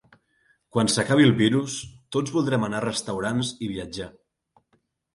Quan s’acabi el virus, tots voldrem anar a restaurants i viatjar.